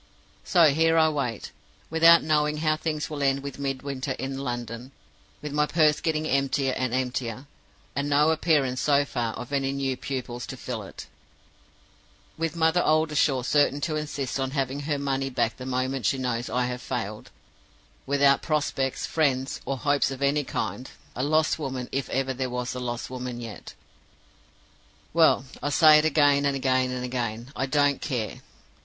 "So here I wait, without knowing how things will end with Midwinter in London; with my purse getting emptier and emptier, and no appearance so far of any new pupils to fill it; with Mother Oldershaw certain to insist on having her money back the moment she knows I have failed; without prospects, friends, or hopes of any kind a lost woman, if ever there was a lost woman yet. Well! I say it again and again and again I don't care!